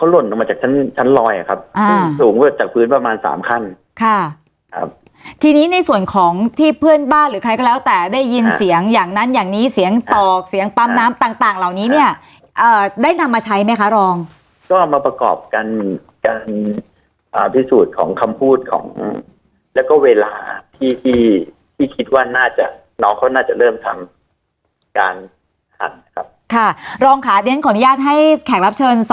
หล่นลงมาจากชั้นชั้นลอยอ่ะครับอ่าสูงจากพื้นประมาณสามขั้นค่ะครับทีนี้ในส่วนของที่เพื่อนบ้านหรือใครก็แล้วแต่ได้ยินเสียงอย่างนั้นอย่างนี้เสียงตอกเสียงปั๊มน้ำต่างต่างเหล่านี้เนี่ยเอ่อได้นำมาใช้ไหมคะรองก็เอามาประกอบกันการอ่าพิสูจน์ของคำพูดของแล้วก็เวลาที่ที่คิดว่าน่าจะน้องเขาน่าจะเริ่มทำการหันนะครับค่ะรองค่ะ